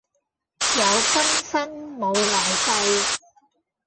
有今生冇來世